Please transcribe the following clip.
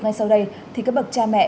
ngay sau đây thì các bậc cha mẹ